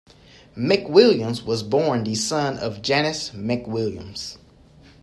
McWilliams was born the son of Janice McWilliams.